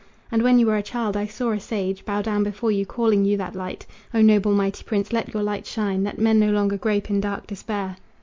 And when you were a child I saw a sage Bow down before you, calling you that light. O noble, mighty prince! let your light shine, That men no longer grope in dark despair!"